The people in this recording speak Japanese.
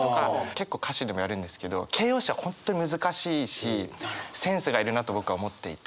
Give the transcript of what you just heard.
結構歌詞でもやるんですけど形容詞は本当に難しいしセンスがいるなと僕は思っていて。